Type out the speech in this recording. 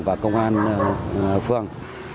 và công an phường